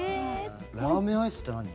ラーメンアイスって何？